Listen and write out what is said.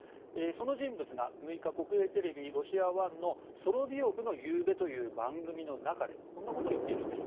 その人物が６日国営テレビ、チャンネル１の「ソロビヨフの夕べ」という番組の中でこんなことを言っているんです。